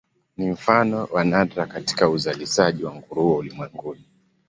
Ni mfano wa nadra katika uzalishaji wa nguruwe ulimwenguni.